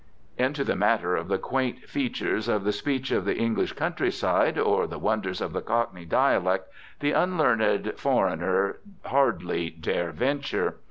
Into the matter of the quaint features of the speech of the English countryside, or the wonders of the Cockney dialect, the unlearned foreigner hardly dare venture.